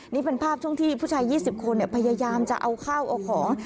นี่เป็นภาพช่วงที่ผู้ชาย๒๐คนพยายามจะเอาข้าวเอาของ